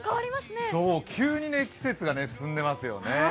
急に季節が進んでいますよね。